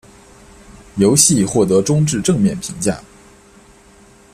游戏获得中至正面评价。